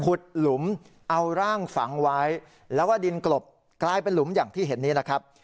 หลุมเอาร่างฝังไว้แล้วว่าดินกลบกลายเป็นหลุมอย่างที่เห็นนี้นะครับ